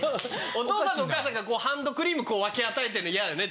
お父さんとお母さんがハンドクリーム分け与えてるの嫌よね